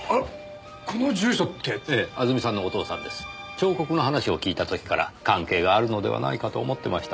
彫刻の話を聞いた時から関係があるのではないかと思ってました。